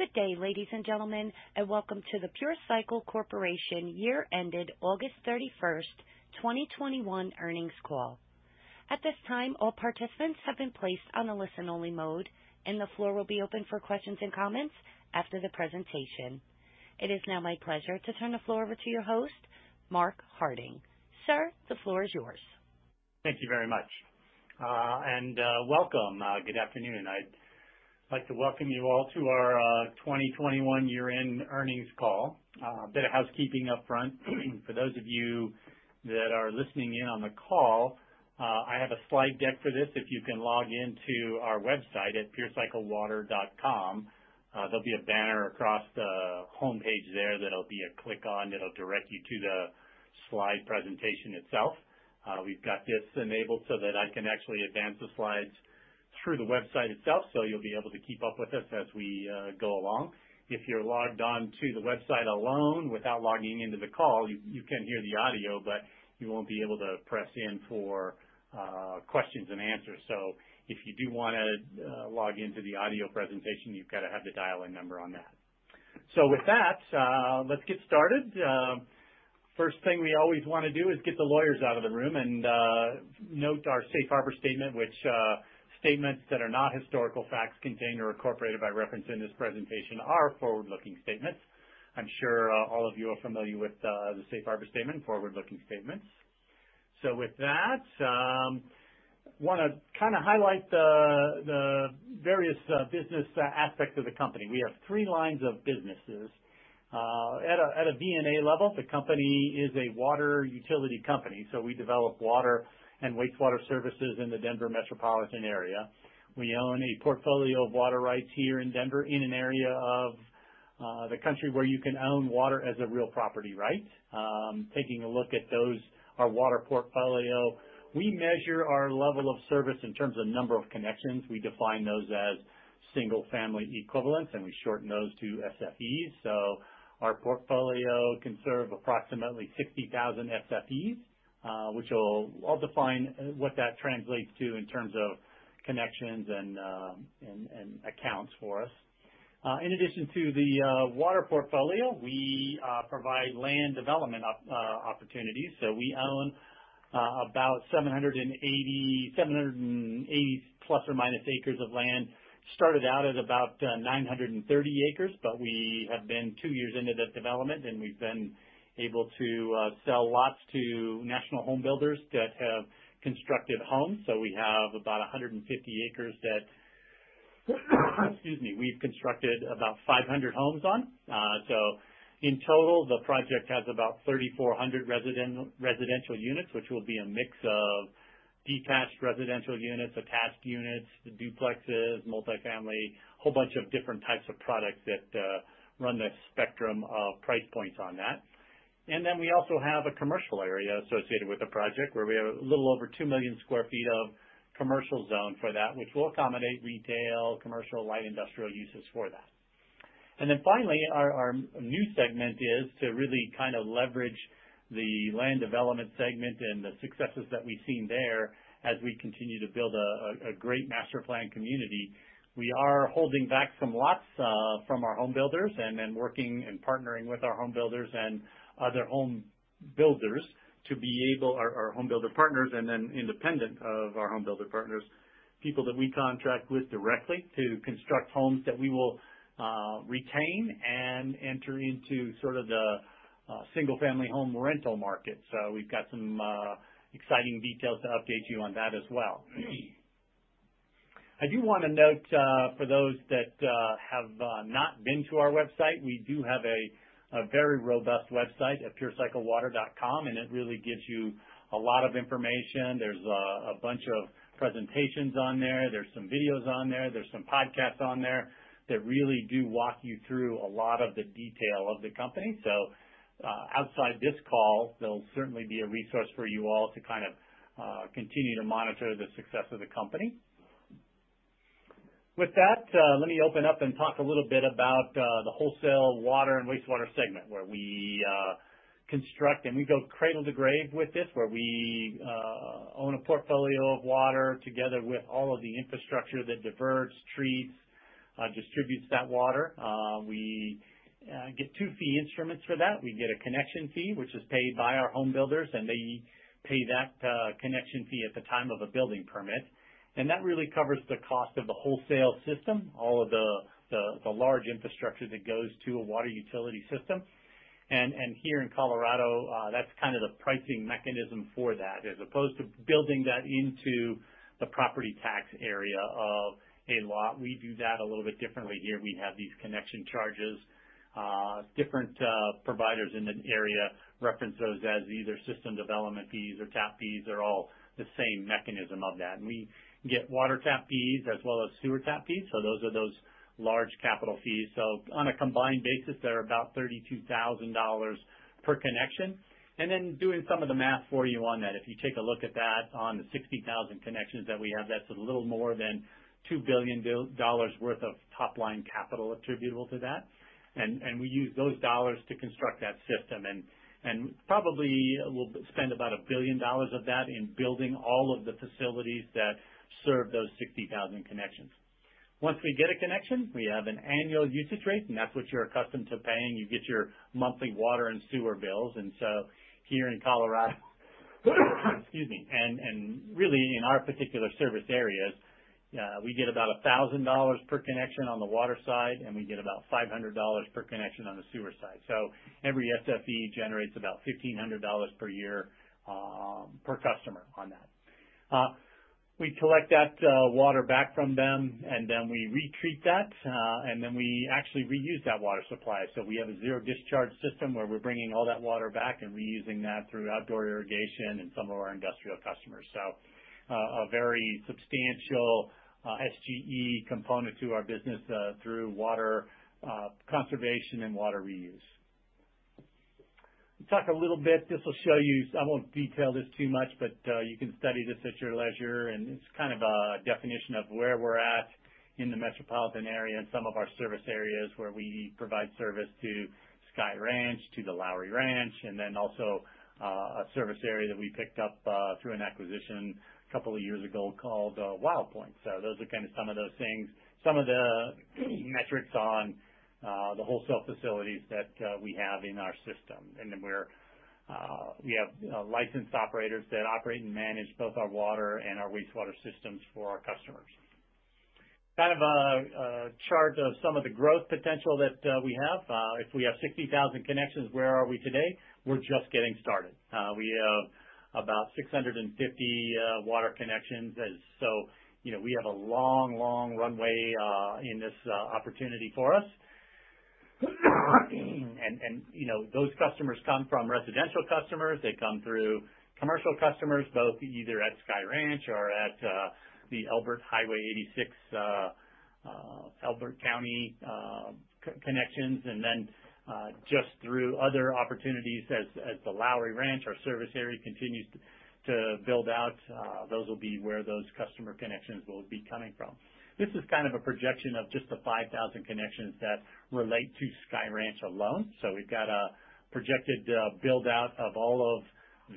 Good day, ladies and gentlemen, and welcome to the Pure Cycle Corporation year ended August 31st, 2021 earnings call. At this time, all participants have been placed on a listen-only mode, and the floor will be open for questions and comments after the presentation. It is now my pleasure to turn the floor over to your host, Mark Harding. Sir, the floor is yours. Thank you very much. Welcome. Good afternoon. I'd like to welcome you all to our 2021 year-end earnings call. A bit of housekeeping up front. For those of you that are listening in on the call, I have a slide deck for this. If you can log in to our website at purecyclewater.com, there'll be a banner across the homepage there that'll be a click on. It'll direct you to the slide presentation itself. We've got this enabled so that I can actually advance the slides through the website itself, so you'll be able to keep up with us as we go along. If you're logged on to the website alone without logging into the call, you can hear the audio, but you won't be able to press in for questions and answers. If you do want to log into the audio presentation, you've gotta have the dial-in number on that. With that, let's get started. First thing we always wanna do is get the lawyers out of the room and note our safe harbor statement, which statements that are not historical facts contained or incorporated by reference in this presentation are forward-looking statements. I'm sure all of you are familiar with the safe harbor statement, forward-looking statements. With that, wanna kinda highlight the various business aspects of the company. We have three lines of businesses. At a DNA level, the company is a water utility company, so we develop water and wastewater services in the Denver metropolitan area. We own a portfolio of water rights here in Denver, in an area of the country where you can own water as a real property right. Taking a look at those, our water portfolio, we measure our level of service in terms of number of connections. We define those as single family equivalents, and we shorten those to SFEs. Our portfolio can serve approximately 60,000 SFEs, which I'll define what that translates to in terms of connections and accounts for us. In addition to the water portfolio, we provide land development opportunities. We own about 780± acres of land. Started out at about 930 acres, but we have been two years into the development, and we've been able to sell lots to national home builders that have constructed homes. We have about 150 acres that, excuse me, we've constructed about 500 homes on. In total, the project has about 3,400 residential units, which will be a mix of detached residential units, attached units, duplexes, multifamily, whole bunch of different types of products that run the spectrum of price points on that. Then we also have a commercial area associated with the project where we have a little over 2 million sq ft of commercial zone for that, which will accommodate retail, commercial, light industrial uses for that. Finally, our new segment is to really kind of leverage the land development segment and the successes that we've seen there as we continue to build a great master planned community. We are holding back some lots from our home builders and working and partnering with our home builders and other home builders, our home builder partners and then independent of our home builder partners, people that we contract with directly to construct homes that we will retain and enter into sort of the single family rental market. We've got some exciting details to update you on that as well. I do wanna note, for those that have not been to our website, we do have a very robust website at purecyclewater.com, and it really gives you a lot of information. There's a bunch of presentations on there. There's some videos on there. There's some podcasts on there that really do walk you through a lot of the detail of the company. Outside this call, they'll certainly be a resource for you all to kind of continue to monitor the success of the company. With that, let me open up and talk a little bit about the wholesale water and wastewater segment, where we construct and we go cradle to grave with this, where we own a portfolio of water together with all of the infrastructure that diverts, treats, distributes that water. We get two fee instruments for that. We get a connection fee, which is paid by our home builders, and they pay that connection fee at the time of a building permit. That really covers the cost of the wholesale system, all of the large infrastructure that goes to a water utility system. Here in Colorado, that's kind of the pricing mechanism for that. As opposed to building that into the property tax area of a lot, we do that a little bit differently here. We have these connection charges. Different providers in the area reference those as either system development fees or tap fees. They're all the same mechanism of that. We get water tap fees as well as sewer tap fees, so those are large capital fees. On a combined basis, they're about $32,000 per connection. Doing some of the math for you on that, if you take a look at that on the 60,000 connections that we have, that's a little more than $2 billion worth of top-line capital attributable to that. We use those dollars to construct that system. Probably we'll spend about $1 billion of that in building all of the facilities that serve those 60,000 connections. Once we get a connection, we have an annual usage rate, and that's what you're accustomed to paying. You get your monthly water and sewer bills. Here in Colorado, excuse me, and really in our particular service areas, we get about $1,000 per connection on the water side, and we get about $500 per connection on the sewer side. Every SFE generates about $1,500 per year per customer on that. We collect that water back from them, and then we treat that, and then we actually reuse that water supply. We have a zero discharge system where we're bringing all that water back and reusing that through outdoor irrigation and some of our industrial customers. A very substantial SGE component to our business through water conservation and water reuse. Let's talk a little bit. This will show you. I won't detail this too much, but you can study this at your leisure, and it's kind of a definition of where we're at in the metropolitan area and some of our service areas where we provide service to Sky Ranch, to the Lowry Ranch, and then also a service area that we picked up through an acquisition a couple of years ago called Wild Pointe. Those are kinda some of those things, some of the metrics on the wholesale facilities that we have in our system. We have licensed operators that operate and manage both our water and our wastewater systems for our customers. Kind of a chart of some of the growth potential that we have. If we have 60,000 connections, where are we today? We're just getting started. We have about 650 water connections or so, you know, we have a long runway in this opportunity for us. Those customers come from residential customers, they come from commercial customers, both either at Sky Ranch or at the Elbert & Highway 86, Elbert County connections. Then, just through other opportunities as the Lowry Ranch, our service area continues to build out, those will be where those customer connections will be coming from. This is kind of a projection of just the 5,000 connections that relate to Sky Ranch alone. We've got a projected build-out of all of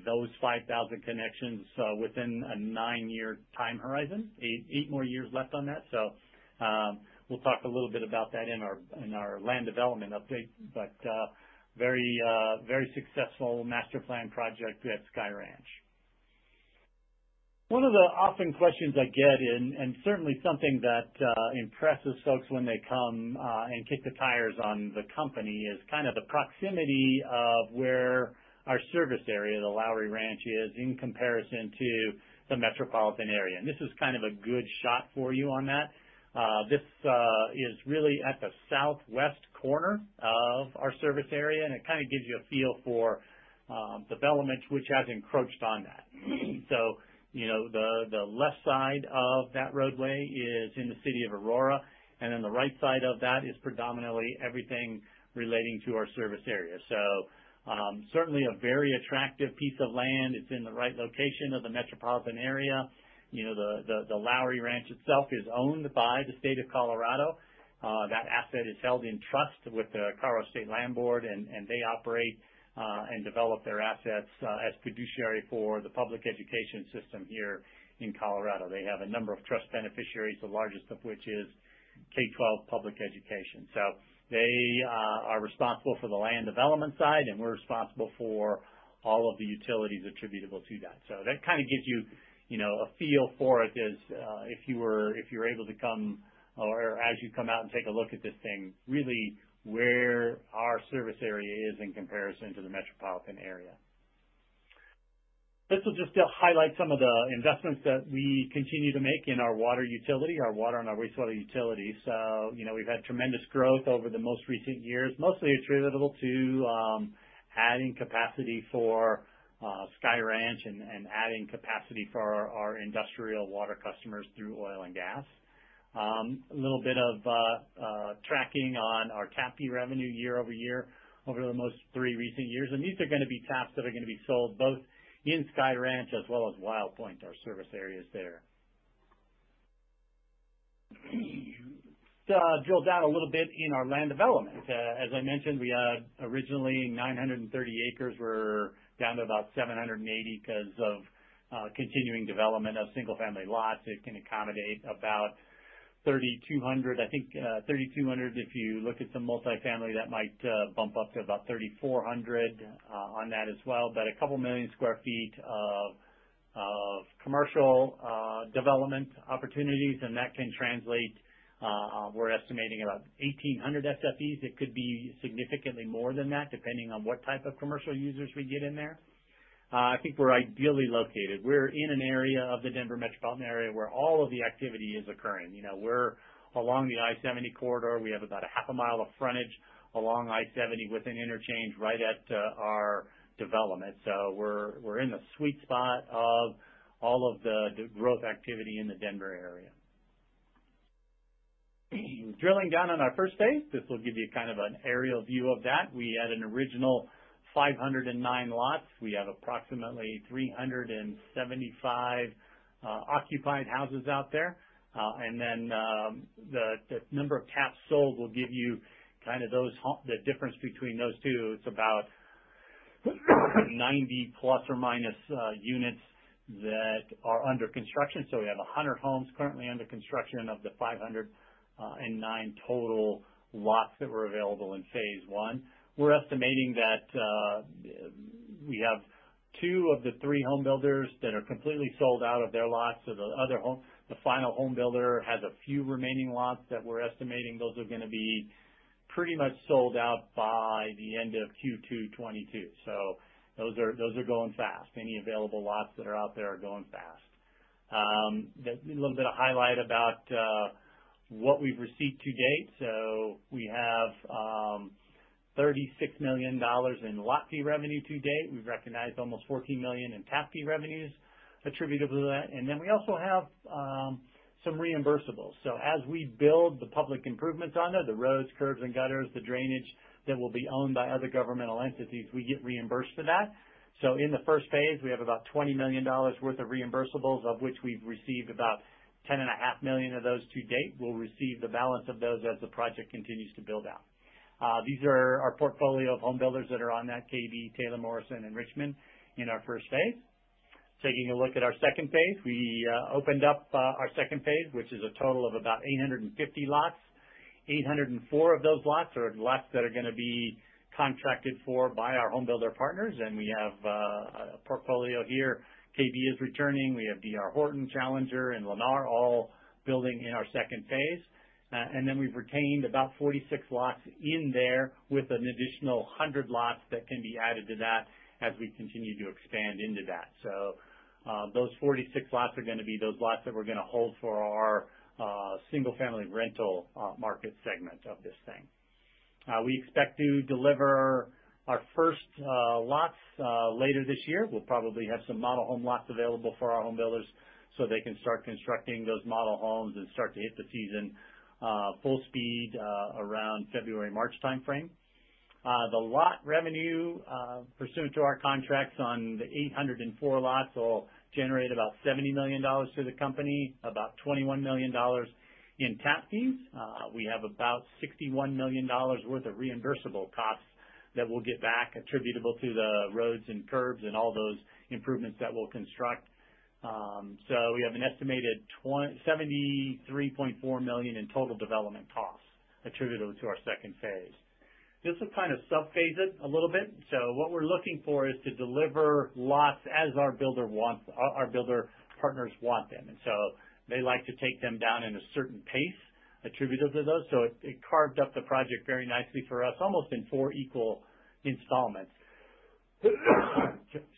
those 5,000 connections within a nine-year time horizon. Eight more years left on that. We'll talk a little bit about that in our land development update, but very successful master plan project at Sky Ranch. One of the questions I often get, and certainly something that impresses folks when they come and kick the tires on the company, is kind of the proximity of where our service area, the Lowry Ranch is, in comparison to the metropolitan area. This is kind of a good shot for you on that. This is really at the southwest corner of our service area, and it kinda gives you a feel for development which has encroached on that. You know, the left side of that roadway is in the city of Aurora, and then the right side of that is predominantly everything relating to our service area. Certainly a very attractive piece of land. It's in the right location of the metropolitan area. You know, the Lowry Ranch itself is owned by the state of Colorado. That asset is held in trust with the Colorado State Land Board, and they operate and develop their assets as fiduciary for the public education system here in Colorado. They have a number of trust beneficiaries, the largest of which is K-12 public education. They are responsible for the land development side, and we're responsible for all of the utilities attributable to that. That kinda gives you know, a feel for it as if you were able to come or as you come out and take a look at this thing, really where our service area is in comparison to the metropolitan area. This will just highlight some of the investments that we continue to make in our water utility, our water and our wastewater utility. You know, we've had tremendous growth over the most recent years, mostly attributable to adding capacity for Sky Ranch and adding capacity for our industrial water customers through oil and gas. A little bit of tracking on our tap fee revenue year-over-year over the most recent three years. These are gonna be taps that are gonna be sold both in Sky Ranch as well as Wild Pointe, our service areas there. I'll drill down a little bit in our land development. As I mentioned, we had originally 930 acres. We're down to about 780 'cause of continuing development of single-family lots. It can accommodate about 3,200, I think. If you look at some multifamily, that might bump up to about 3,400 on that as well. But a couple million sq ft of commercial development opportunities, and that can translate, we're estimating about 1,800 SFEs. It could be significantly more than that, depending on what type of commercial users we get in there. I think we're ideally located. We're in an area of the Denver metropolitan area where all of the activity is occurring. You know, we're along the I-70 corridor. We have about a half a mile of frontage along I-70 with an interchange right at our development. So we're in the sweet spot of all of the growth activity in the Denver area. Drilling down on our first phase, this will give you kind of an aerial view of that. We had an original 509 lots. We have approximately 375 occupied houses out there. The number of taps sold will give you kind of the difference between those two. It's about 90± units that are under construction. We have 100 homes currently under construction of the 509 total lots that were available in phase I. We're estimating that we have two of the three homebuilders that are completely sold out of their lots. The final homebuilder has a few remaining lots that we're estimating. Those are gonna be pretty much sold out by the end of Q2 2022. Those are going fast. Any available lots that are out there are going fast. A little bit of highlight about what we've received to date. We have $36 million in lot fee revenue to date. We've recognized almost $14 million in tap fee revenues attributable to that. We also have some reimbursables. As we build the public improvements on there, the roads, curbs and gutters, the drainage that will be owned by other governmental entities, we get reimbursed for that. In the first phase, we have about $20 million worth of reimbursables, of which we've received about $10.5 million of those to date. We'll receive the balance of those as the project continues to build out. These are our portfolio of homebuilders that are on that, KB, Taylor Morrison and Richmond in our first phase. Taking a look at our second phase, we opened up our second phase, which is a total of about 850 lots. 804 of those lots are lots that are gonna be contracted for by our homebuilder partners. We have a portfolio here. KB is returning. We have D.R. Horton, Challenger Homes and Lennar all building in our second phase. Then we've retained about 46 lots in there with an additional 100 lots that can be added to that as we continue to expand into that. Those 46 lots are gonna be those lots that we're gonna hold for our single family rental market segment of this thing. We expect to deliver our first lots later this year. We'll probably have some model home lots available for our homebuilders so they can start constructing those model homes and start to hit the season full speed around February, March timeframe. The lot revenue pursuant to our contracts on the 804 lots will generate about $70 million to the company, about $21 million in tap fees. We have about $61 million worth of reimbursable costs that we'll get back attributable to the roads and curbs and all those improvements that we'll construct. We have an estimated $73.4 million in total development costs attributable to our second phase. This will kind of sub-phase it a little bit. What we're looking for is to deliver lots as our builder partners want them. They like to take them down in a certain pace attributable to those. It carved up the project very nicely for us, almost in 4 equal installments.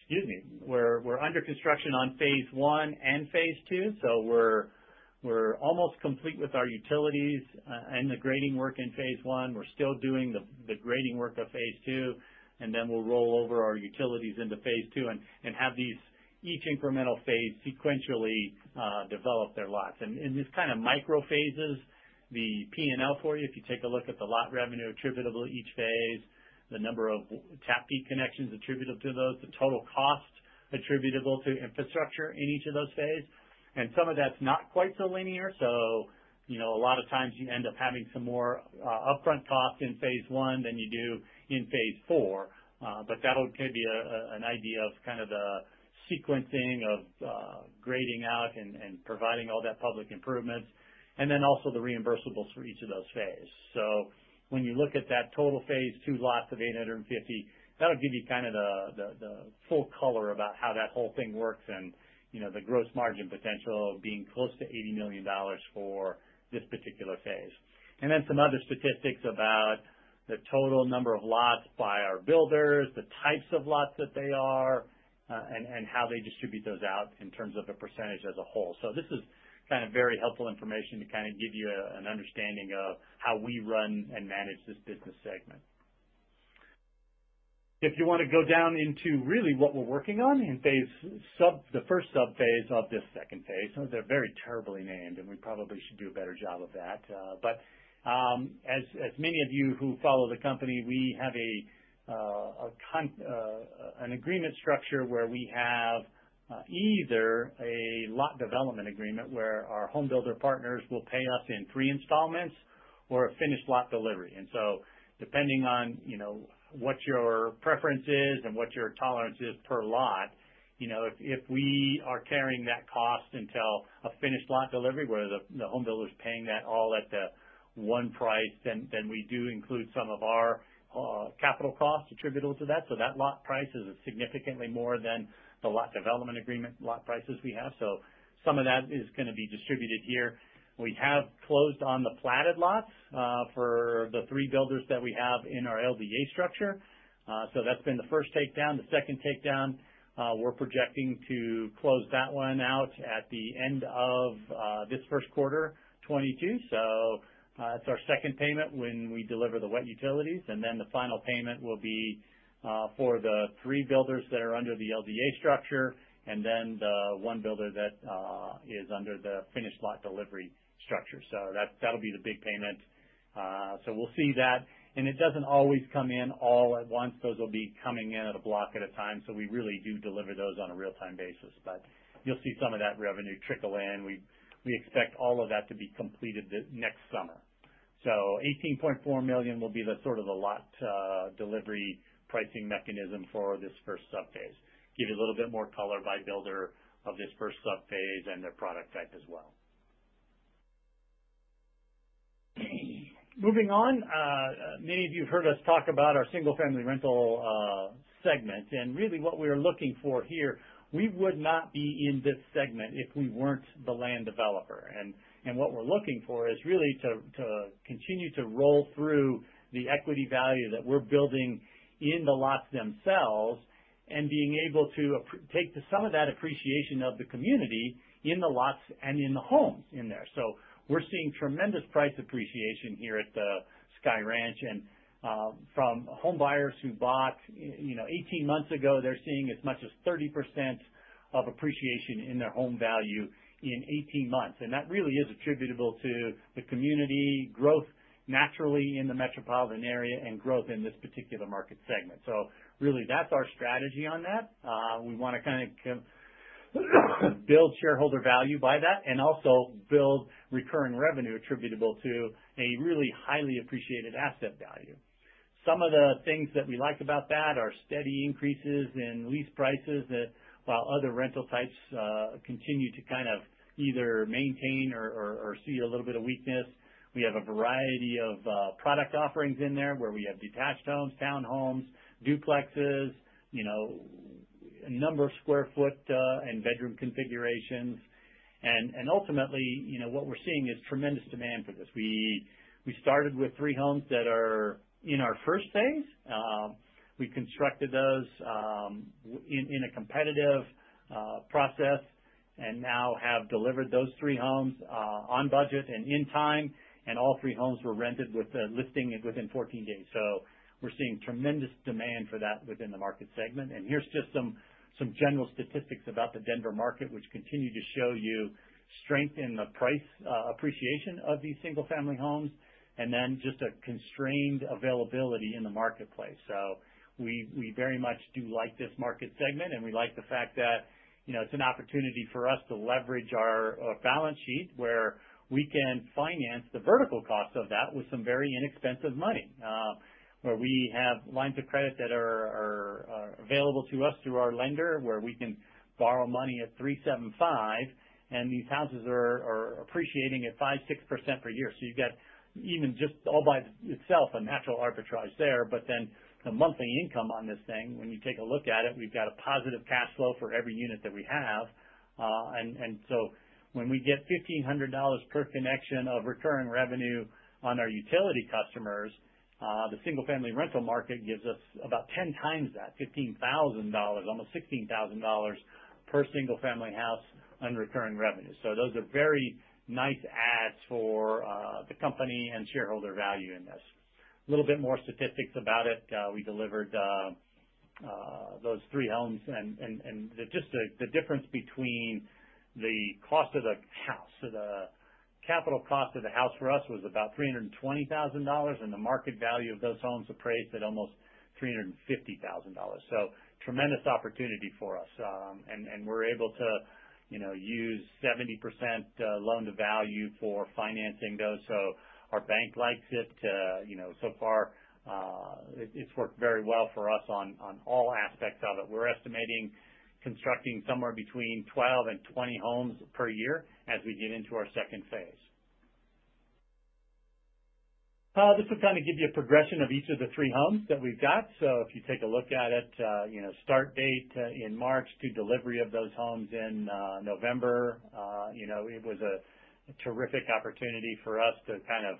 Excuse me. We're under construction on phase I and phase II. We're almost complete with our utilities and the grading work in phase I. We're still doing the grading work of phase II, and then we'll roll over our utilities into phase II and have these each incremental phase sequentially develop their lots. In these kind of micro phases, the P&L for you, if you take a look at the lot revenue attributable to each phase, the number of tap fee connections attributable to those, the total cost attributable to infrastructure in each of those phase. Some of that's not quite so linear, so, you know, a lot of times you end up having some more upfront costs in phase I than you do in phase IV. That'll give you an idea of kind of the sequencing of grading out and providing all that public improvements, and then also the reimbursables for each of those phase. When you look at that total phase II lots of 850, that'll give you kind of the full color about how that whole thing works and, you know, the gross margin potential of being close to $80 million for this particular phase. Some other statistics about the total number of lots by our builders, the types of lots that they are, and how they distribute those out in terms of a percentage as a whole. This is kind of very helpful information to kind of give you an understanding of how we run and manage this business segment. If you wanna go down into really what we're working on in phase sub, the first sub-phase of this second phase, those are very terribly named, and we probably should do a better job of that. As many of you who follow the company, we have an agreement structure where we have either a lot development agreement where our homebuilder partners will pay us in three installments or a finished lot delivery. Depending on, you know, what your preference is and what your tolerance is per lot, you know, if we are carrying that cost until a finished lot delivery where the homebuilder's paying that all at the one price, then we do include some of our capital costs attributable to that. That lot price is significantly more than the lot development agreement lot prices we have. Some of that is gonna be distributed here. We have closed on the platted lots for the three builders that we have in our LDA structure. That's been the first takedown. The second takedown, we're projecting to close that one out at the end of this first quarter 2022. It's our second payment when we deliver the wet utilities, and then the final payment will be for the three builders that are under the LDA structure and then the one builder that is under the finished lot delivery structure. That, that'll be the big payment. We'll see that, and it doesn't always come in all at once. Those will be coming in at a block at a time. We really do deliver those on a real-time basis. But you'll see some of that revenue trickle in. We expect all of that to be completed next summer. $18.4 million will be the sort of the lot delivery pricing mechanism for this first sub phase. Give you a little bit more color by builder of this first sub phase and their product type as well. Moving on, many of you have heard us talk about our single-family rental segment, and really what we're looking for here, we would not be in this segment if we weren't the land developer. What we're looking for is really to continue to roll through the equity value that we're building in the lots themselves, and being able to appreciate and take some of that appreciation of the community in the lots and in the homes in there. We're seeing tremendous price appreciation here at the Sky Ranch. From home buyers who bought, you know, 18 months ago, they're seeing as much as 30% of appreciation in their home value in 18 months. That really is attributable to the community growth naturally in the metropolitan area and growth in this particular market segment. Really that's our strategy on that. We wanna kind of build shareholder value by that and also build recurring revenue attributable to a really highly appreciated asset value. Some of the things that we like about that are steady increases in lease prices that while other rental types continue to kind of either maintain or see a little bit of weakness. We have a variety of product offerings in there, where we have detached homes, townhomes, duplexes, you know, a number of square foot and bedroom configurations. Ultimately, you know, what we're seeing is tremendous demand for this. We started with three homes that are in our first phase. We constructed those in a competitive process and now have delivered those three homes on budget and in time, and all three homes were rented with the listing within 14 days. We're seeing tremendous demand for that within the market segment. Here's just some general statistics about the Denver market, which continue to show you strength in the price appreciation of these single family homes, and then just a constrained availability in the marketplace. We very much do like this market segment, and we like the fact that, you know, it's an opportunity for us to leverage our balance sheet, where we can finance the vertical cost of that with some very inexpensive money, where we have lines of credit that are available to us through our lender, where we can borrow money at 3.75, and these houses are appreciating at 5%-6% per year. You've got even just all by itself, a natural arbitrage there. Then the monthly income on this thing, when you take a look at it, we've got a positive cash flow for every unit that we have. When we get $1,500 per connection of recurring revenue on our utility customers, the single family rental market gives us about 10x that, $15,000, almost $16,000 per single family house on recurring revenue. Those are very nice adds for the company and shareholder value in this. A little bit more statistics about it. We delivered 3 homes and just the difference between the cost of the house. The capital cost of the house for us was about $320,000, and the market value of those homes appraised at almost $350,000. Tremendous opportunity for us. We're able to, you know, use 70% loan to value for financing those. Our bank likes it. You know, so far, it's worked very well for us on all aspects of it. We're estimating constructing somewhere between 12 and 20 homes per year as we get into our second phase. This will kind of give you a progression of each of the three homes that we've got. If you take a look at it, you know, start date in March to delivery of those homes in November, you know, it was a terrific opportunity for us to kind of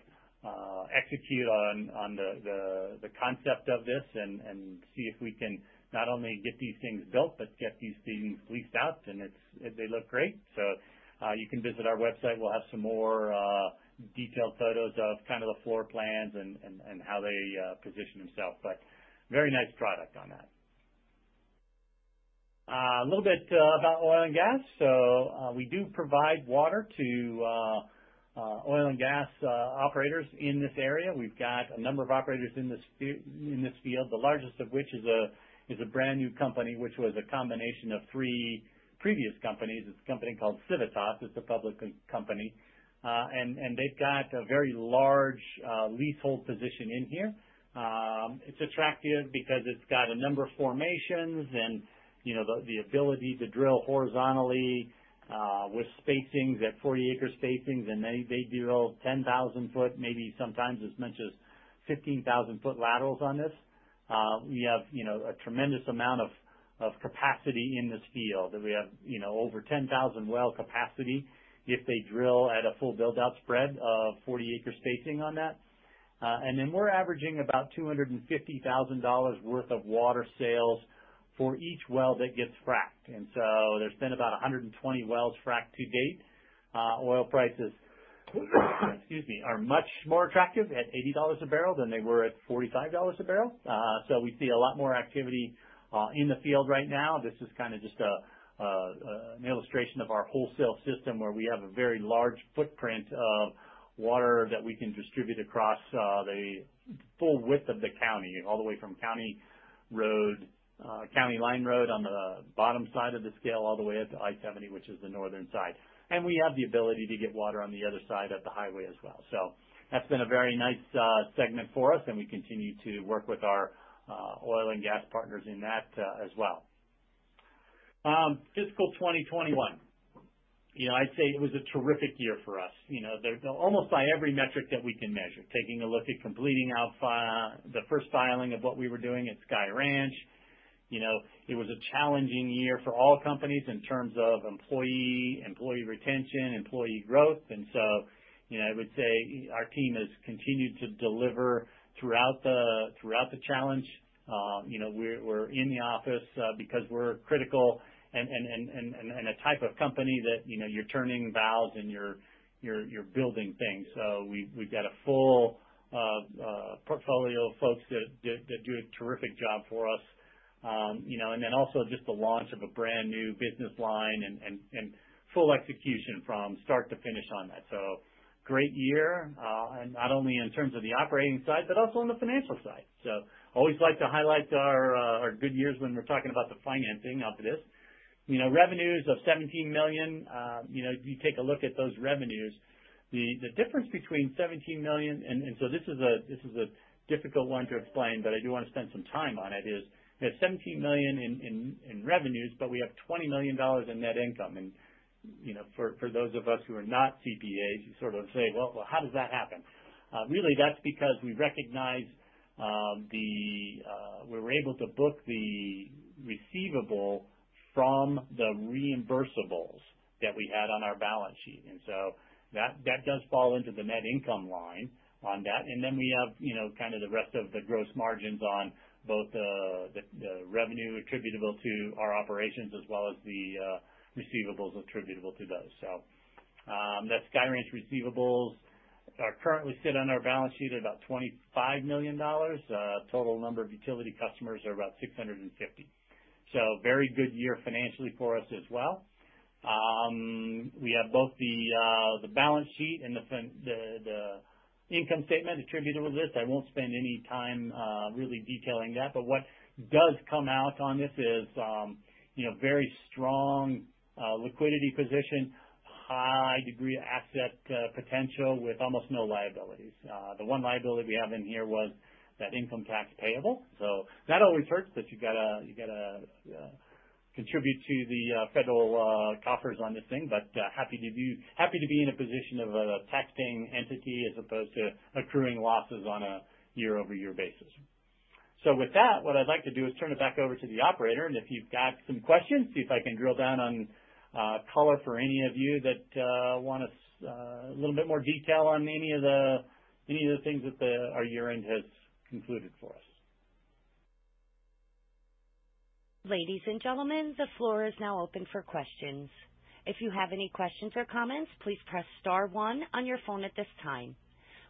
execute on the concept of this and see if we can not only get these things built, but get these things leased out. It's. They look great. You can visit our website. We'll have some more detailed photos of kind of the floor plans and how they position themselves, but very nice product on that. A little bit about oil and gas. We do provide water to oil and gas operators in this area. We've got a number of operators in this field, the largest of which is a brand new company, which was a combination of three previous companies. It's a company called Civitas. It's a public company, and they've got a very large leasehold position in here. It's attractive because it's got a number of formations and, you know, the ability to drill horizontally with spacings at 40-acre spacings. They drill 10,000-foot, maybe sometimes as much as 15,000-foot laterals on this. We have, you know, a tremendous amount of capacity in this field, and we have, you know, over 10,000 well capacity if they drill at a full build out spread of 40-acre spacing on that. Then we're averaging about $250,000 worth of water sales for each well that gets fracked. There's been about 120 wells fracked to date. Oil prices, excuse me, are much more attractive at $80 a barrel than they were at $45 a barrel. We see a lot more activity in the field right now. This is kinda just an illustration of our wholesale system, where we have a very large footprint of water that we can distribute across the full width of the county, all the way from County Road, County Line Road on the bottom side of the scale, all the way up to I-70, which is the northern side. We have the ability to get water on the other side of the highway as well. That's been a very nice segment for us, and we continue to work with our oil and gas partners in that as well. Fiscal 2021. You know, I'd say it was a terrific year for us. You know, almost by every metric that we can measure. Taking a look at completing our first filing of what we were doing at Sky Ranch. You know, it was a challenging year for all companies in terms of employee retention, employee growth. You know, I would say our team has continued to deliver throughout the challenge. You know, we're in the office because we're critical and a type of company that, you know, you're turning valves and you're building things. So we've got a full portfolio of folks that do a terrific job for us. You know, and then also just the launch of a brand new business line and full execution from start to finish on that. Great year, and not only in terms of the operating side, but also on the financial side. Always like to highlight our good years when we're talking about the financing off of this. You know, revenues of $17 million. You know, if you take a look at those revenues, the difference between $17 million. This is a difficult one to explain, but I do wanna spend some time on it, is we have $17 million in revenues, but we have $20 million in net income. You know, for those of us who are not CPAs, you sort of say, "Well, how does that happen?" Really that's because we recognized. We were able to book the receivable from the reimbursables that we had on our balance sheet, and so that does fall into the net income line on that. We have, you know, kind of the rest of the gross margins on both the revenue attributable to our operations as well as the receivables attributable to those. The Sky Ranch receivables currently sit on our balance sheet at about $25 million. Total number of utility customers are about 650. Very good year financially for us as well. We have both the balance sheet and the income statement attributable to this. I won't spend any time really detailing that, but what does come out on this is, you know, very strong liquidity position, high degree asset potential with almost no liabilities. The one liability we have in here was that income tax payable, so that always hurts, but you gotta contribute to the federal coffers on this thing. Happy to be in a position of a taxing entity as opposed to accruing losses on a year over year basis. With that, what I'd like to do is turn it back over to the operator, and if you've got some questions, see if I can drill down on color for any of you that want to see a little bit more detail on any of the things that our year-end has concluded for us. Ladies and gentlemen, the floor is now open for questions. If you have any questions or comments, please press star one on your phone at this time.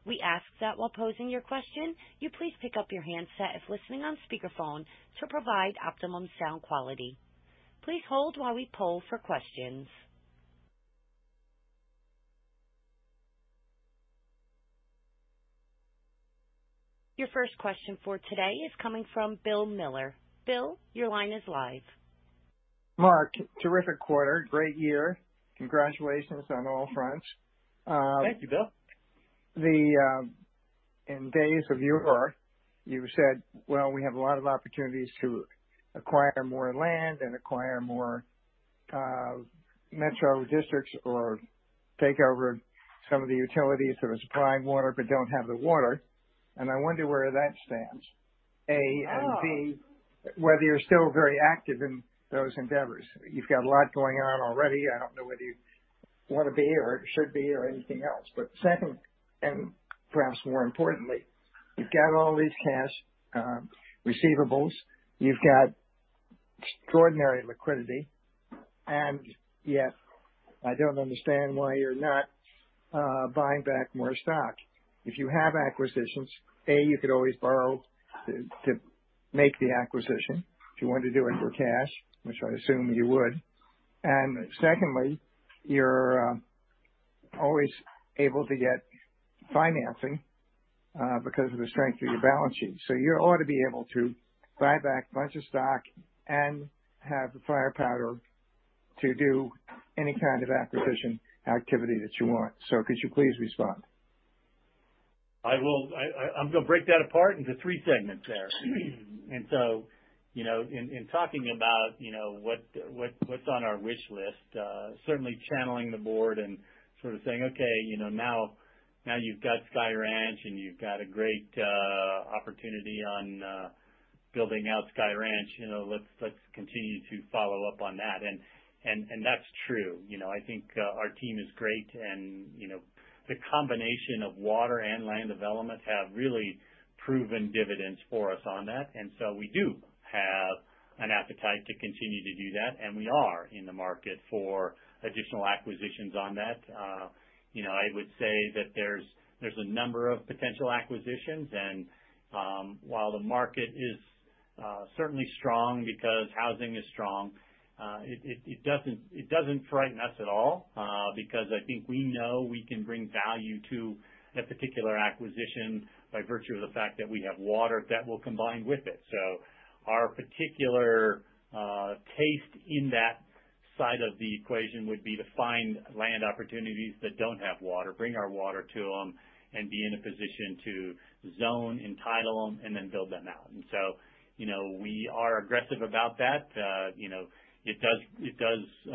We ask that while posing your question, you please pick up your handset if listening on speakerphone to provide optimum sound quality. Please hold while we poll for questions. Your first question for today is coming from Bill Miller. Bill, your line is live. Mark, terrific quarter. Great year. Congratulations on all fronts. Thank you, Bill. Then, in days of yore, you said, well, we have a lot of opportunities to acquire more land and acquire more, metro districts or take over some of the utilities that are supplying water but don't have the water. I wonder where that stands, A. B, whether you're still very active in those endeavors. You've got a lot going on already. I don't know whether you wanna be or should be or anything else. Second, and perhaps more importantly, you've got all these cash receivables, you've got extraordinary liquidity, and yet I don't understand why you're not buying back more stock. If you have acquisitions, A, you could always borrow to make the acquisition if you wanted to do it for cash, which I assume you would. Secondly, you're always able to get financing because of the strength of your balance sheet. You ought to be able to buy back a bunch of stock and have the firepower to do any kind of acquisition activity that you want. Could you please respond? I will. I'm gonna break that apart into three segments there. You know, talking about what's on our wish list, certainly channeling the board and sort of saying, "Okay, you know, now you've got Sky Ranch and you've got a great opportunity on building out Sky Ranch, you know, let's continue to follow up on that." That's true. You know, I think our team is great and, you know, the combination of water and land development have really proven dividends for us on that. We do have an appetite to continue to do that, and we are in the market for additional acquisitions on that. You know, I would say that there's a number of potential acquisitions and, while the market is certainly strong because housing is strong, it doesn't frighten us at all, because I think we know we can bring value to a particular acquisition by virtue of the fact that we have water that will combine with it. Our particular taste in that side of the equation would be to find land opportunities that don't have water, bring our water to them, and be in a position to zone, entitle them, and then build them out. You know, we are aggressive about that. You know, it does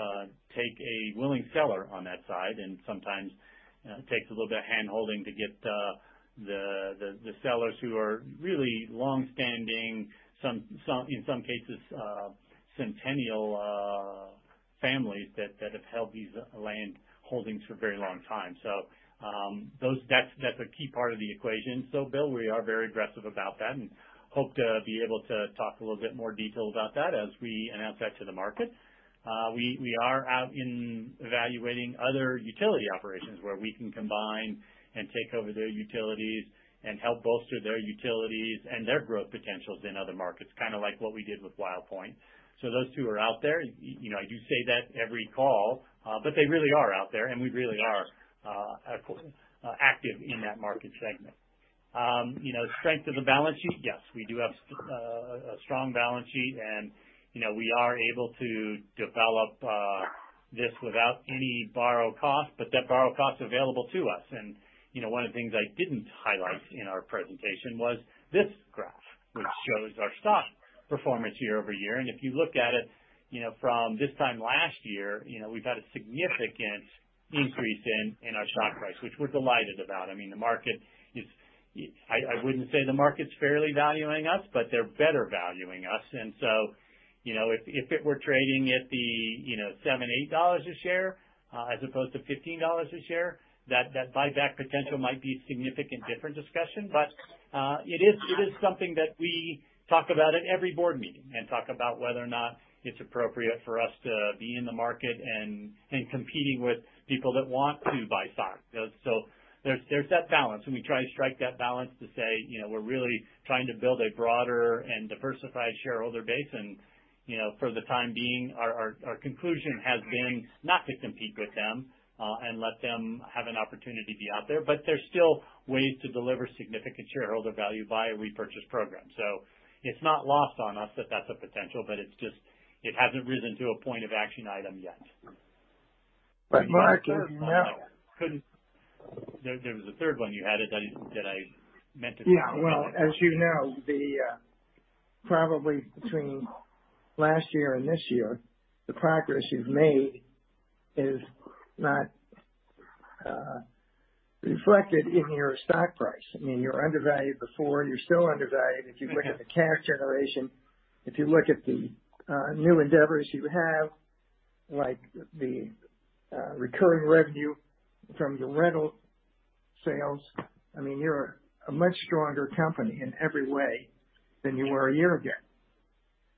take a willing seller on that side, and sometimes takes a little bit of hand-holding to get the sellers who are really longstanding, some in some cases centennial families that have held these land holdings for a very long time. Those. That's a key part of the equation. Bill, we are very aggressive about that and hope to be able to talk a little bit more detail about that as we announce that to the market. We are out in evaluating other utility operations where we can combine and take over their utilities and help bolster their utilities and their growth potentials in other markets, kinda like what we did with Wild Pointe. Those two are out there. You know, I do say that every call, but they really are out there, and we really are active in that market segment. You know, strength of the balance sheet, yes, we do have a strong balance sheet, and, you know, we are able to develop this without any borrowing cost, but that borrowing cost available to us. One of the things I didn't highlight in our presentation was this graph, which shows our stock performance year-over-year. If you look at it, you know, from this time last year, you know, we've had a significant increase in our stock price, which we're delighted about. I mean, the market is. I wouldn't say the market's fairly valuing us, but they're better valuing us. You know, if it were trading at the, you know, $7-$8 a share, as opposed to $15 a share, that buyback potential might be a significantly different discussion. It is something that we talk about at every board meeting and talk about whether or not it's appropriate for us to be in the market and competing with people that want to buy stock. There's that balance, and we try to strike that balance to say, you know, we're really trying to build a broader and diversified shareholder base. You know, for the time being, our conclusion has been not to compete with them and let them have an opportunity to be out there. There's still ways to deliver significant shareholder value by a repurchase program. It's not lost on us that that's a potential, but it's just, it hasn't risen to a point of action item yet. Mark, now. There was a third one you had that I meant to come back to. Yeah. Well, as you know, probably between last year and this year, the progress you've made is not reflected in your stock price. I mean, you're undervalued before and you're still undervalued. If you look at the cash generation, if you look at the new endeavors you have, like the recurring revenue from your rental sales, I mean, you're a much stronger company in every way than you were a year ago.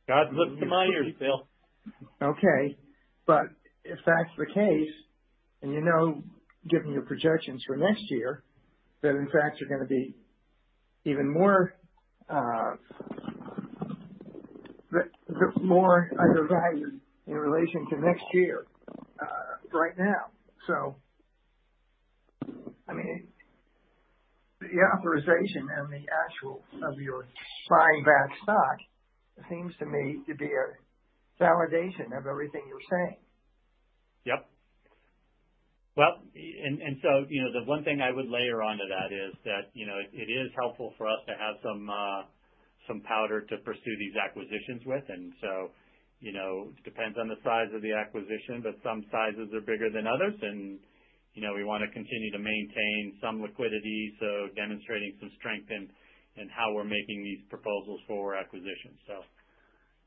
God looked to my ears, Bill. Okay. If that's the case, and you know, given your projections for next year, that in fact you're gonna be even more the more undervalued in relation to next year right now. I mean, the authorization and the actual of your buying back stock seems to me to be a validation of everything you're saying. Yep. Well, you know, the one thing I would layer onto that is that, you know, it is helpful for us to have some powder to pursue these acquisitions with. You know, it depends on the size of the acquisition, but some sizes are bigger than others. You know, we wanna continue to maintain some liquidity, so demonstrating some strength in how we're making these proposals for acquisitions.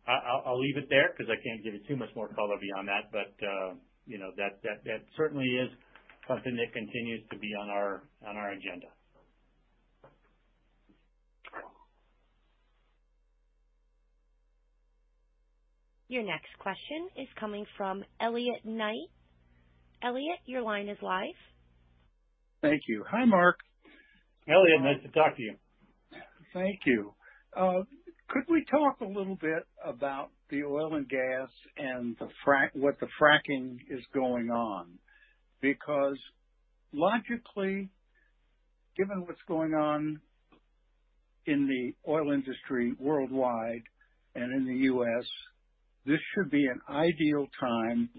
I'll leave it there 'cause I can't give you too much more color beyond that. You know, that certainly is something that continues to be on our agenda. Your next question is coming from Elliot Knight. Elliot, your line is live. Thank you. Hi, Mark. Elliot, nice to talk to you. Thank you. Could we talk a little bit about the oil and gas and what the fracking is going on? Because logically, given what's going on in the oil industry worldwide and in the U.S., this should be an ideal time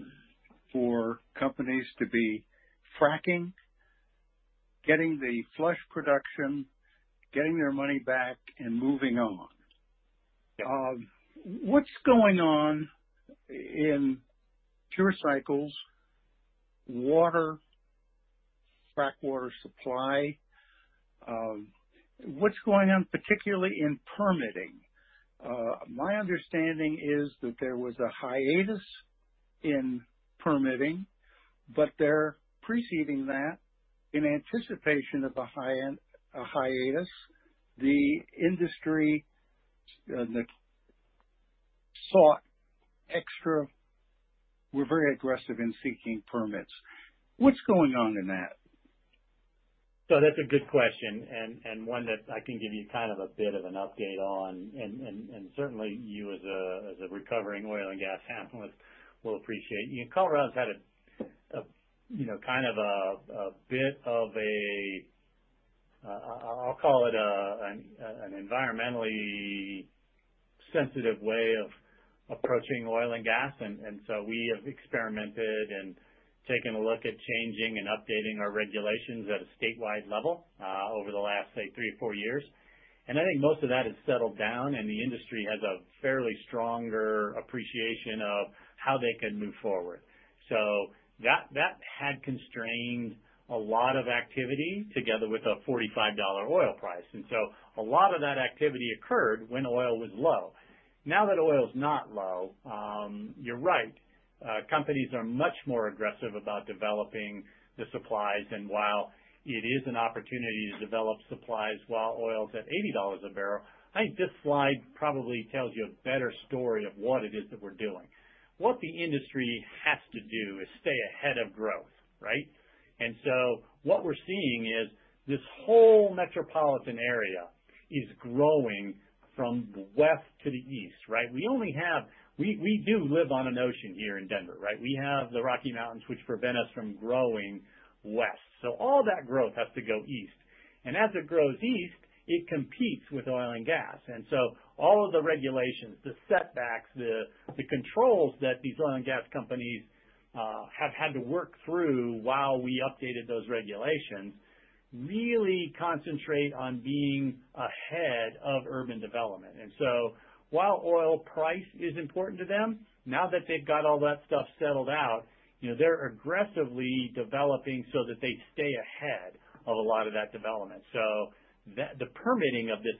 for companies to be fracking, getting the flush production, getting their money back and moving on. What's going on in Pure Cycle's water, frack water supply? What's going on particularly in permitting? My understanding is that there was a hiatus in permitting, but they're preceding that in anticipation of a hiatus. The industry, the sector were very aggressive in seeking permits. What's going on in that? That's a good question and one that I can give you kind of a bit of an update on and certainly you as a recovering oil and gas analyst will appreciate. Colorado's had a bit of an environmentally sensitive way of approaching oil and gas. We have experimented and taken a look at changing and updating our regulations at a statewide level over the last, say, three or four years. I think most of that has settled down, and the industry has a fairly stronger appreciation of how they can move forward. That had constrained a lot of activity together with a $45 oil price. A lot of that activity occurred when oil was low. Now that oil is not low, you're right. Companies are much more aggressive about developing the supplies. While it is an opportunity to develop supplies while oil is at $80 a barrel, I think this slide probably tells you a better story of what it is that we're doing. What the industry has to do is stay ahead of growth, right? What we're seeing is this whole metropolitan area is growing from west to the east, right? We do live on an ocean here in Denver, right? We have the Rocky Mountains, which prevent us from growing west. All that growth has to go east. As it grows east, it competes with oil and gas. All of the regulations, the setbacks, the controls that these oil and gas companies have had to work through while we updated those regulations really concentrate on being ahead of urban development. While oil price is important to them, now that they've got all that stuff settled out, you know, they're aggressively developing so that they stay ahead of a lot of that development. The permitting of this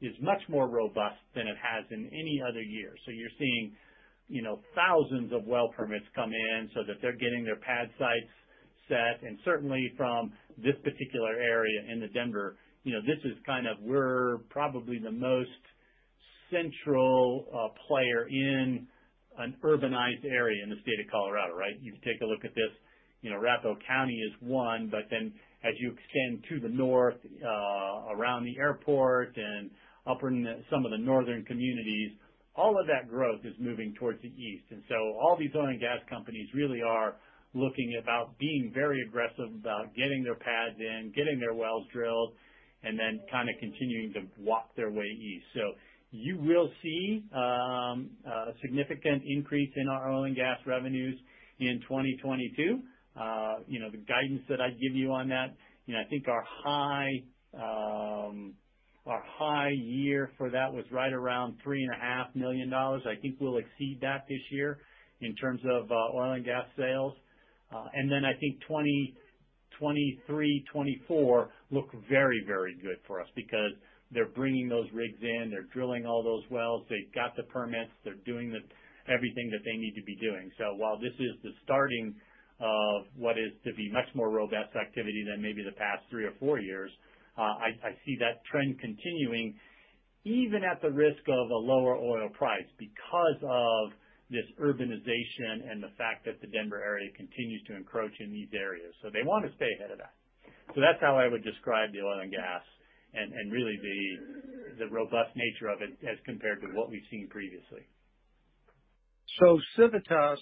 is much more robust than it has in any other year. You're seeing, you know, thousands of well permits come in so that they're getting their pad sites set. Certainly from this particular area in the Denver. You know, this is kind of we're probably the most central player in an urbanized area in the state of Colorado, right? You can take a look at this. You know, Arapahoe County is one, but then as you extend to the north, around the airport and up in some of the northern communities, all of that growth is moving towards the east. All these oil and gas companies really are looking to be very aggressive about getting their pads in, getting their wells drilled, and then kind of continuing to walk their way east. You will see significant increase in our oil and gas revenues in 2022. You know, the guidance that I'd give you on that, you know, I think our high year for that was right around $3.5 million. I think we'll exceed that this year in terms of oil and gas sales. I think 2023, 2024 look very, very good for us because they're bringing those rigs in. They're drilling all those wells. They've got the permits. They're doing everything that they need to be doing. While this is the starting of what is to be much more robust activity than maybe the past three or four years, I see that trend continuing even at the risk of a lower oil price because of this urbanization and the fact that the Denver area continues to encroach in these areas. They want to stay ahead of that. That's how I would describe the oil and gas and really the robust nature of it as compared to what we've seen previously. Civitas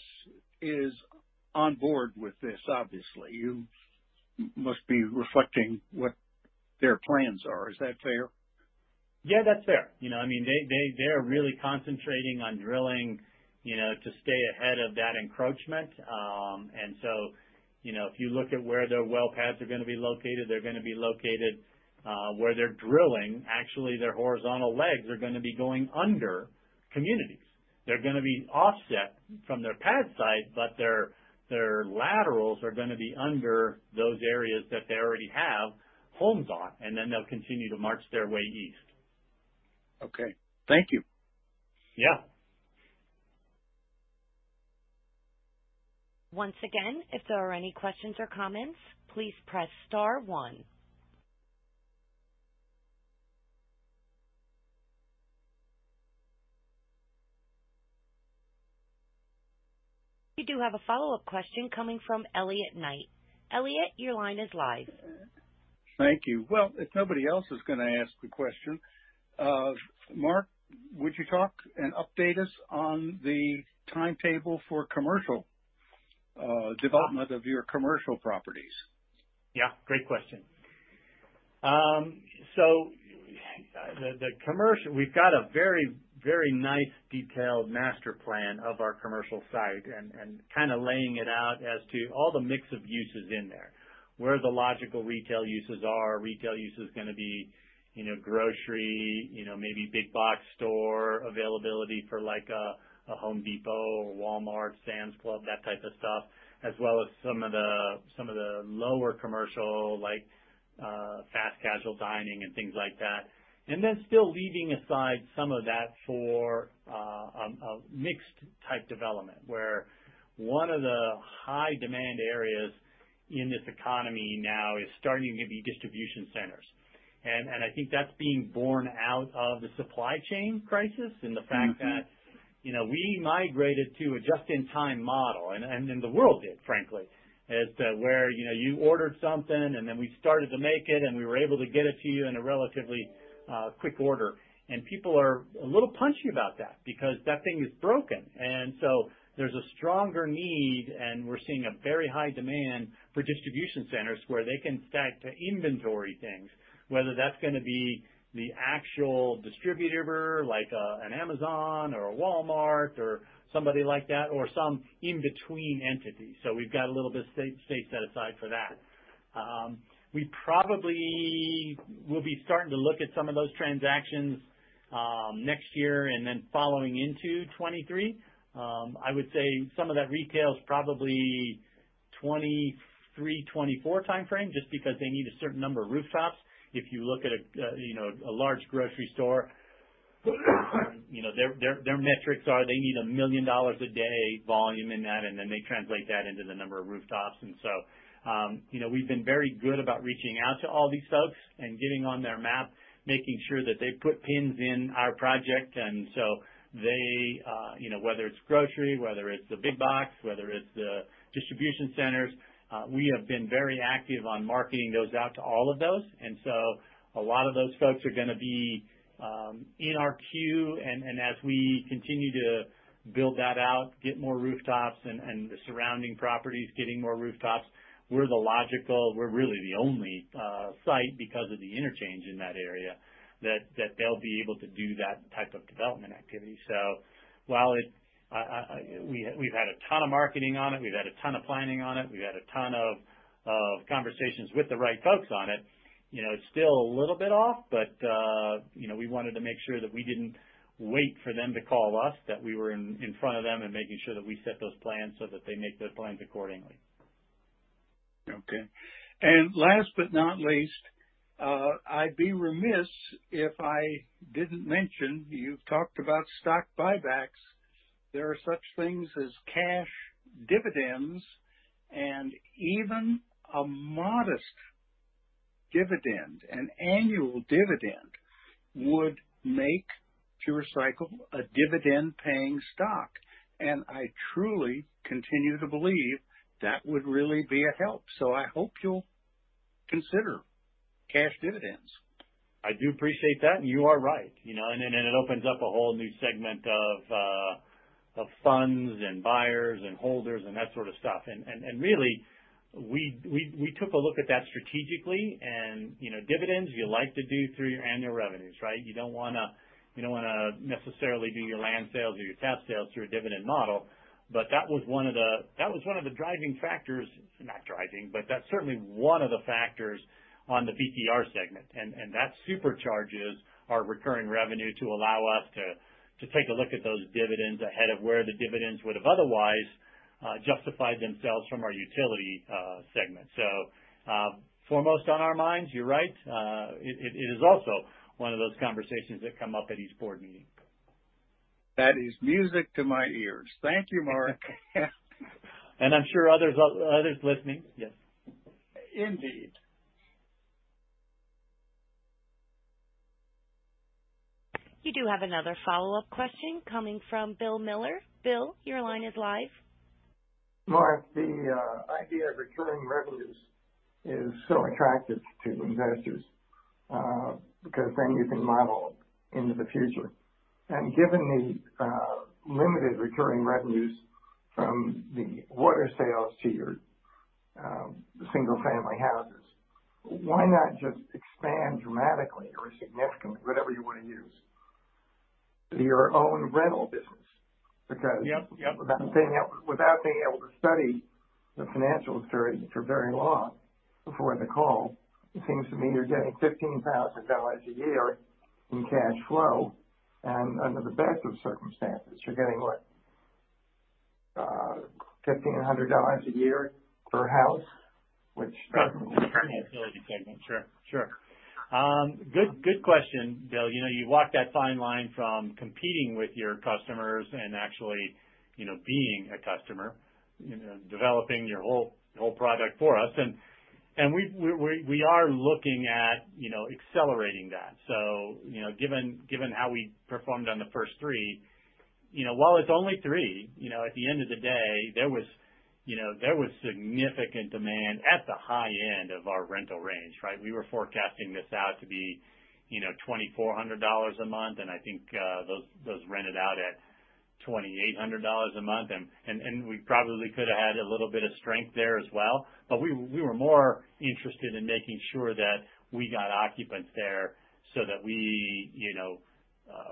is on board with this, obviously. You must be reflecting what their plans are. Is that fair? Yeah, that's fair. You know, I mean, they're really concentrating on drilling, you know, to stay ahead of that encroachment. You know, if you look at where their well pads are gonna be located, they're gonna be located where they're drilling. Actually, their horizontal legs are gonna be going under communities. They're gonna be offset from their pad site, but their laterals are gonna be under those areas that they already have homes on, and then they'll continue to march their way east. Okay. Thank you. Yeah. Once again, if there are any questions or comments, please press star one. We do have a follow-up question coming from Elliot Knight. Elliot, your line is live. Thank you. Well, if nobody else is gonna ask the question, Mark, would you talk and update us on the timetable for commercial development of your commercial properties? Yeah, great question. So the commercial. We've got a very, very nice detailed master plan of our commercial site and kind of laying it out as to all the mix of uses in there, where the logical retail uses are. Retail use is gonna be, you know, grocery, you know, maybe big box store availability for like a Home Depot or Walmart, Sam's Club, that type of stuff, as well as some of the lower commercial, like fast casual dining and things like that. Still leaving aside some of that for a mixed type development where one of the high demand areas in this economy now is starting to be distribution centers. I think that's being borne out of the supply chain crisis and the fact that you know, we migrated to a just-in-time model and the world did, frankly, as to where, you know, you ordered something and then we started to make it, and we were able to get it to you in a relatively quick order. People are a little punchy about that because that thing is broken. There's a stronger need, and we're seeing a very high demand for distribution centers where they can stack to inventory things, whether that's gonna be the actual distributor like an Amazon or a Walmart or somebody like that, or some in-between entity. We've got a little bit set aside for that. We probably will be starting to look at some of those transactions next year and then following into 2023. I would say some of that retail is probably 2023, 2024 timeframe, just because they need a certain number of rooftops. If you look at, you know, a large grocery store, you know, their metrics are they need $1 million a day volume in that, and then they translate that into the number of rooftops. You know, we've been very good about reaching out to all these folks and getting on their map, making sure that they put pins in our project. They, you know, whether it's grocery, whether it's the big box, whether it's the distribution centers, we have been very active on marketing those out to all of those. A lot of those folks are gonna be in our queue and as we continue to build that out, get more rooftops and the surrounding properties getting more rooftops, we're the logical, we're really the only site because of the interchange in that area that they'll be able to do that type of development activity. While it, we've had a ton of marketing on it. We've had a ton of planning on it. We've had a ton of conversations with the right folks on it. You know, it's still a little bit off, but you know, we wanted to make sure that we didn't wait for them to call us, that we were in front of them and making sure that we set those plans so that they make those plans accordingly. Okay. Last but not least, I'd be remiss if I didn't mention you've talked about stock buybacks. There are such things as cash dividends, and even a modest dividend, an annual dividend, would make Pure Cycle a dividend-paying stock. I truly continue to believe that would really be a help. I hope you'll consider cash dividends. I do appreciate that, and you are right. You know, it opens up a whole new segment of funds and buyers and holders and that sort of stuff. Really, we took a look at that strategically. You know, dividends you like to do through your annual revenues, right? You don't wanna necessarily do your land sales or your tap sales through a dividend model. But that was one of the driving factors, not driving, but that's certainly one of the factors on the BTR segment. That supercharges our recurring revenue to allow us to take a look at those dividends ahead of where the dividends would have otherwise justified themselves from our utility segment. Foremost on our minds, you're right. It is also one of those conversations that come up at each board meeting. That is music to my ears. Thank you, Mark. I'm sure others listening. Yes. Indeed. You do have another follow-up question coming from Bill Miller. Bill, your line is live. Mark, the idea of recurring revenues is so attractive to investors because then you can model into the future. Given the limited recurring revenues from the water sales to your single family houses, why not just expand dramatically or significantly, whatever you wanna use, your own rental business? Yep. Yep. Without being able to study the financials for very long before the call, it seems to me you're getting $15,000 a year in cash flow. Under the best of circumstances, you're getting, what, $1,500 a year per house, which- Right. In the utility segment. Sure. Good question, Bill. You know, you walk that fine line from competing with your customers and actually, you know, being a customer, you know, developing your whole product for us. We've. We are looking at, you know, accelerating that. You know, given how we performed on the first three, you know, while it's only three, you know, at the end of the day, there was significant demand at the high end of our rental range, right? We were forecasting this out to be, you know, $2,400 a month, and I think, those rented out at $2,800 a month. We probably could have had a little bit of strength there as well. We were more interested in making sure that we got occupants there so that we, you know,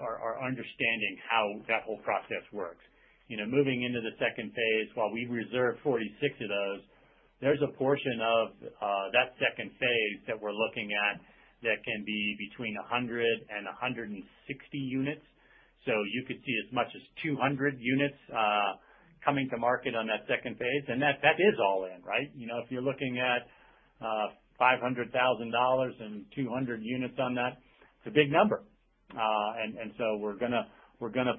are understanding how that whole process works. You know, moving into the second phase, while we reserved 46 of those, there's a portion of that second phase that we're looking at that can be between 100 and 160 units. So you could see as much as 200 units coming to market on that second phase. And that is all in, right? You know, if you're looking at $500,000 and 200 units on that, it's a big number. And so we're gonna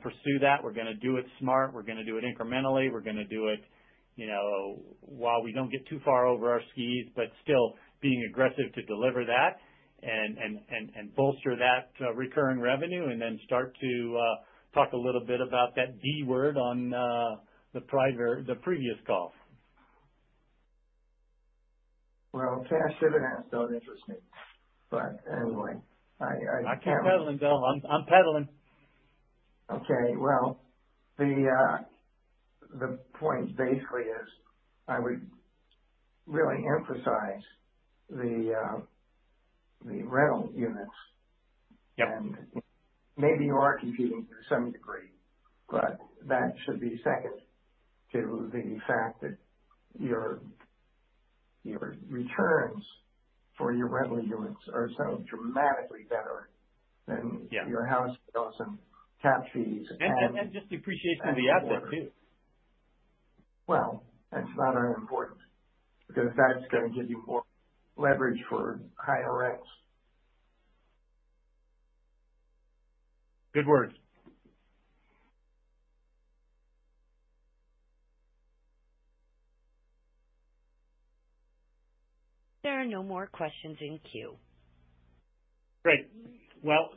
pursue that. We're gonna do it smart. We're gonna do it incrementally. We're gonna do it, you know, while we don't get too far over our skis, but still being aggressive to deliver that and bolster that, recurring revenue and then start to talk a little bit about that D word on the prior, the previous call. Well, cash dividends don't interest me. Anyway, I I keep pedaling, Bill. I'm pedaling. Okay. Well, the point basically is I would really emphasize the rental units. Yep. Maybe you are competing to some degree, but that should be second to the fact that your returns for your rental units are so dramatically better than- Yeah. your house bills and tap fees and more. Just depreciation of the asset too. Well, that's not unimportant, because that's gonna give you more leverage for higher rents. Good words. There are no more questions in queue. Great. Well,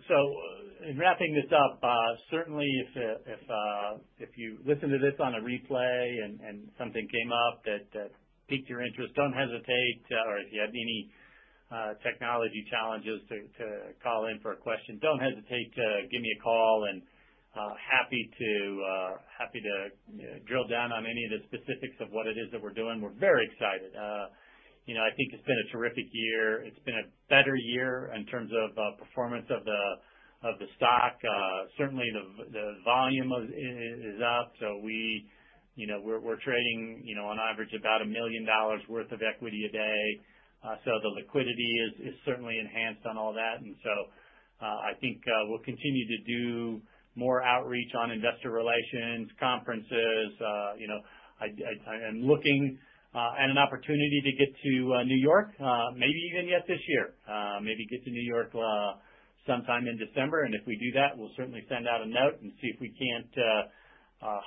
in wrapping this up, certainly if you listen to this on a replay and something came up that piqued your interest, don't hesitate. Or if you had any technology challenges to call in for a question, don't hesitate to give me a call and happy to drill down on any of the specifics of what it is that we're doing. We're very excited. You know, I think it's been a terrific year. It's been a better year in terms of performance of the stock. Certainly the volume is up. We're trading on average about $1 million worth of equity a day. The liquidity is certainly enhanced on all that. I think we'll continue to do more outreach on investor relations, conferences. You know, I am looking at an opportunity to get to New York maybe even yet this year. Maybe get to New York sometime in December. If we do that, we'll certainly send out a note and see if we can't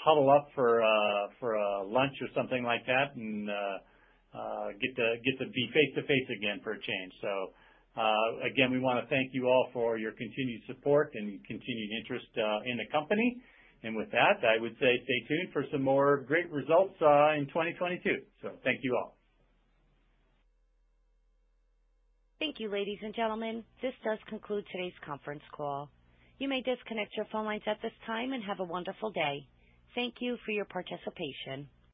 huddle up for a lunch or something like that and get to be face to face again for a change. Again, we wanna thank you all for your continued support and continued interest in the company. With that, I would say stay tuned for some more great results in 2022. Thank you all. Thank you, ladies and gentlemen. This does conclude today's conference call. You may disconnect your phone lines at this time and have a wonderful day. Thank you for your participation.